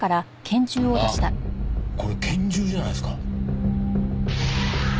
あっこれ拳銃じゃないですか？